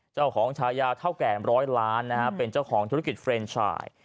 ฉายาเท่าแก่ร้อยล้านนะฮะเป็นเจ้าของธุรกิจเฟรนชาย